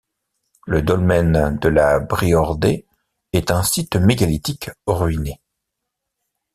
Le dolmen de la Briordais est un site mégalithique ruiné.